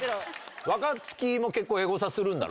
若槻も結構エゴサするんだろ？